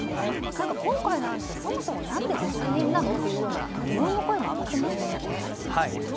今回の案ってそもそも何で５０００円なのっていうような疑問の声も上がっていましたよね。